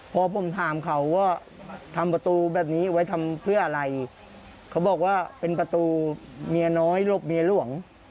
พอผมถามเขาว่าทำประตูแบบนี้ไว้ทำเพื่ออะไรเขาบอกว่าเป็นประตูเมียน้อยหลบเมียหลวง